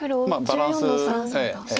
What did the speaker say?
まあバランス。